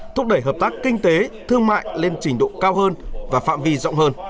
thúc đẩy hợp tác kinh tế thương mại lên trình độ cao hơn và phạm vi rộng hơn